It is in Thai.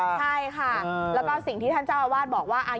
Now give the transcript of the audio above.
ใช่ค่ะแล้วก็สิ่งที่ท่านเจ้าอาวาสบอกว่า